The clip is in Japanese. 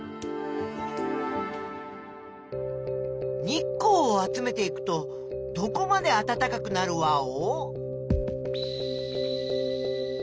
日光を集めていくとどこまであたたかくなるワオ？